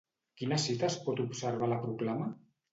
Quina cita es pot observar a la proclama?